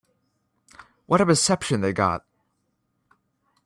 What a reception they got.